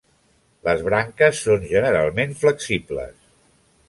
Les branques són generalment flexibles.